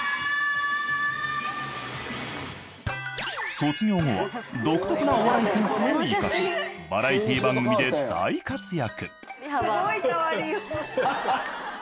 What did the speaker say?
卒業後は独特なお笑いセンスを生かしバラエティ番組で大活躍